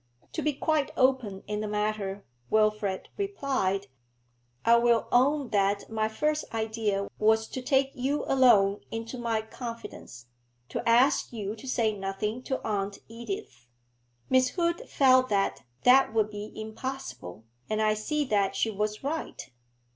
'To be quite open in the matter,' Wilfrid replied, 'I will own that my first idea was to take you alone into my confidence; to ask you to say nothing to Aunt Edith. Miss Hood felt that that would be impossible, and I see that she was right.